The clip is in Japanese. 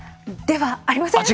ではありません。